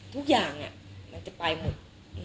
ทุกอย่างมันจะไปหมด